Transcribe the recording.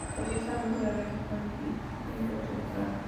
Los seis años realmente son un tiempo sin parar.